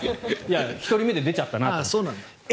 １人目で出ちゃったなって。